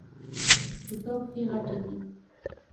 د تا پښې غټي دي